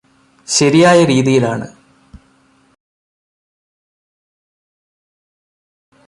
ശരിയായ രീതിയിലാണ്